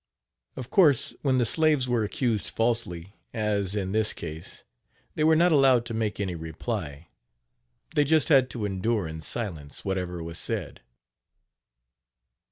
" Of course, when the slaves were accused falsely, as in this case, they were not allowed to make any reply they just had to endure in silence whatever was said.